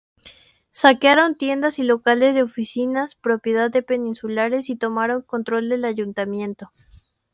Saquearon tiendas y locales de oficinas propiedad de peninsulares y tomaron control del ayuntamiento.